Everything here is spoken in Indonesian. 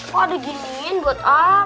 kok diginiin buat apa